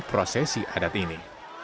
prosesi adat ini